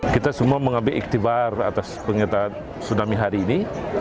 kita semua mengambil iktibar atas pengingatan tsunami hari ini